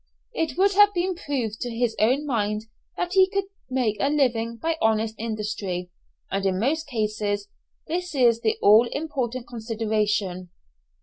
It would have been proved to his own mind that he could make a living by honest industry, and in most cases this is the all important consideration.